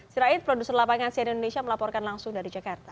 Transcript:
sirahid produser lapangan asean indonesia melaporkan langsung dari jakarta